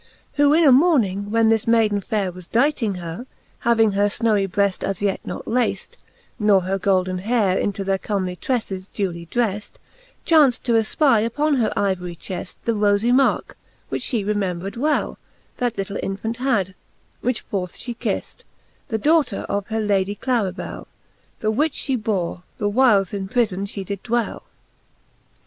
Who in a morning, when this Mayden faire Was dighting her, having her fnowy breft As yet not laced, nor her golden haire Into their comely trefles dewly dreft, Chaunft to efpy upon her yvory cheft The rode marke, which fhe remembred well That litle Infant had, which forth fhe keft, The daughter of her Lady Clarihell^ The which fhe bore, the whiles in prifon fhe did dwell.